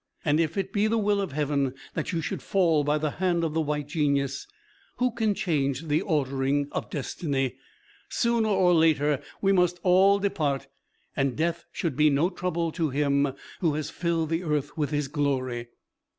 And if it be the will of Heaven that you should fall by the hand of the White Genius, who can change the ordering of destiny? Sooner or later we must all depart, and death should be no trouble to him who has filled the earth with his glory."